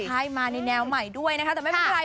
ใช่มาในนาวใหม่ไม่เป็นไร